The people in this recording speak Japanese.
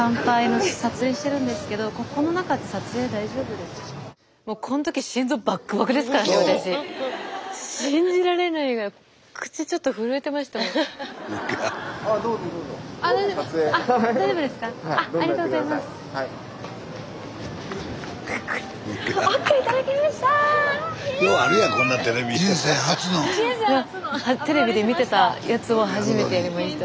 スタジオテレビで見てたやつを初めてやりました。